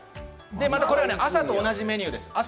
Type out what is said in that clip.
朝と同じメニューです。